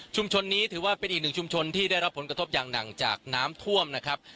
นี้ถือว่าเป็นอีกหนึ่งชุมชนที่ได้รับผลกระทบอย่างหนักจากน้ำท่วมนะครับ